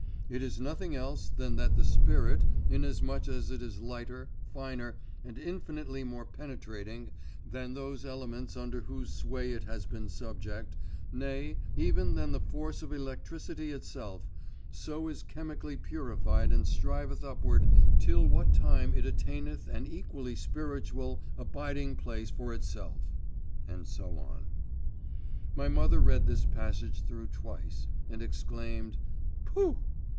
It is nothing else than that the spirit, inasmuch as it is lighter, finer, and infinitely more penetrating than those elements under whose sway it has been subject, nay, even than the force of electricity itself, so is chemically purified and striveth upward till what time it attaineth an equally spiritual abiding place for itself …' and so on. My mother read this passage through twice, and exclaiming, 'Pooh!